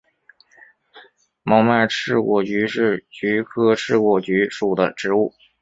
毛脉翅果菊是菊科翅果菊属的植物。